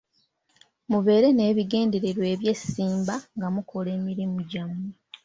Mubeere n'ebigendererwa eby'essimba nga mukola emirimu gyammwe.